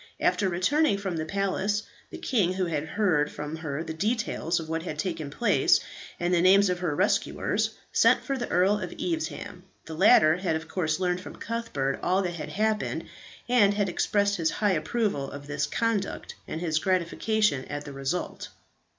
After returning from the palace the king, who had heard from her the details of what had taken place, and the names of her rescuers, sent for the Earl of Evesham. The latter had of course learned from Cuthbert all that had happened, and had expressed his high approval of his conduct, and his gratification at the result.